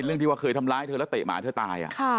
เรื่องที่ว่าเคยทำร้ายเธอแล้วเตะหมาเธอตาย